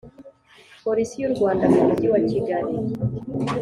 Polisi y u rwanda mu mujyi wa kigali